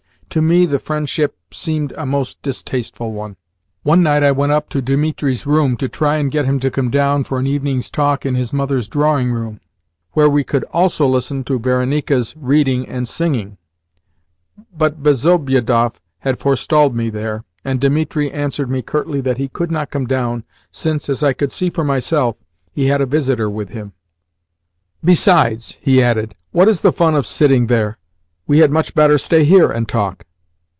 To me the friendship seemed a most distasteful one. One night, I went up to Dimitri's room to try and get him to come down for an evening's talk in his mother's drawing room, where we could also listen to Varenika's reading and singing, but Bezobiedoff had forestalled me there, and Dimitri answered me curtly that he could not come down, since, as I could see for myself, he had a visitor with him. "Besides," he added, "what is the fun of sitting there? We had much better stay HERE and talk."